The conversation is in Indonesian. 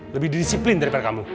lebih disiplin daripada kamu